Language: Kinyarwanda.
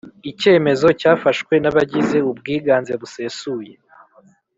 Icyemezo cyafashwe n abagize ubwiganze busesuye